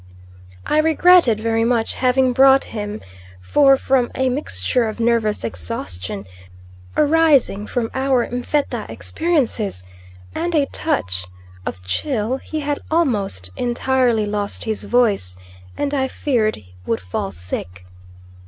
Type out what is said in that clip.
I regretted very much having brought him; for, from a mixture of nervous exhaustion arising from our M'fetta experiences, and a touch of chill he had almost entirely lost his voice, and I feared would fall sick.